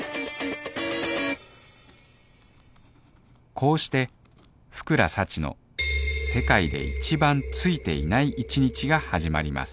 こうして福良幸の世界で一番「ついていない」１日が始まります